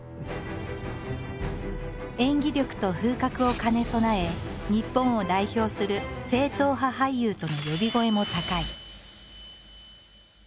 演技力と風格を兼ね備え日本を代表する正統派俳優との呼び声も高い。